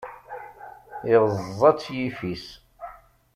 iɣeẓẓa-t yiffis.